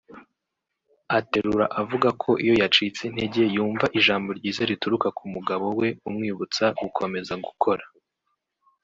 aterura avuga ko iyo yacitse intege yumva ijambo ryiza rituruka ku mugabo we umwibutsa gukomeza gukora